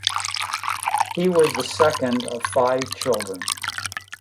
He was the second of five children.